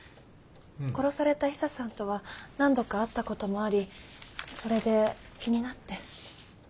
殺されたヒサさんとは何度か会ったこともありそれで気になって。